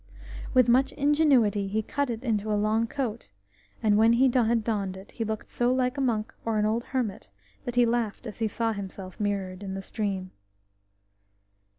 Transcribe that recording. With much ingenuity he cut it into a long coat, and when he had donned it he looked so like a monk or an old hermit that he laughed as he saw himself mirrored in the stream.